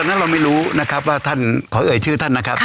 ตอนนั้นเราไม่รู้นะท่านขอเอ่ยชื่อนะครับ